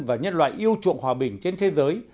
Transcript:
và nhân loại yêu chuộng hòa bình trên thế giới